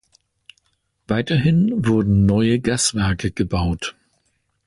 Weiterhin wurden neue Gaswerke gebaut.